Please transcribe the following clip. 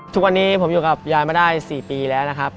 ทุกวันนี้ผมอยู่กับยายมาได้๔ปีแล้วนะครับ